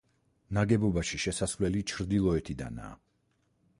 ნაგებობაში შესასვლელი ჩრდილოეთიდანაა.